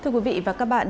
thưa quý vị và các bạn